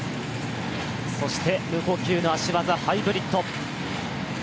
そして無呼吸の脚技ハイブリッド。